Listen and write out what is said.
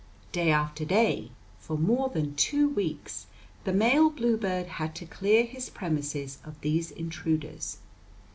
Day after day, for more than two weeks, the male bluebird had to clear his premises of these intruders.